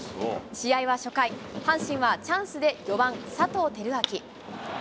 試合は初回、阪神はチャンスで４番佐藤輝明。